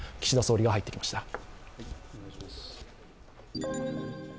岸田総理が入ってきました。